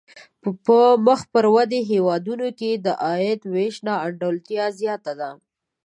په مخ پر ودې هېوادونو کې د عاید وېش نا انډولتیا زیاته ده.